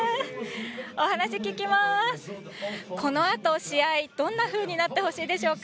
このあと、試合どんなふうになってほしいですか。